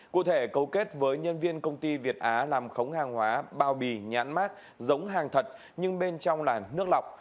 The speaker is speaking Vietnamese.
cụ thể cấu kết với nhân viên công ty việt á làm khống hàng hóa bao bì nhãn mát giống hàng thật nhưng bên trong làn nước lọc